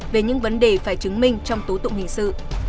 về những vấn đề phải chứng minh trong tố tụng hình sự